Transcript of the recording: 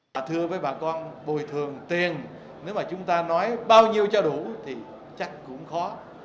thưa với bà con bồi thường tiền nếu mà chúng ta nói bao nhiêu cho đủ thì chắc cũng khó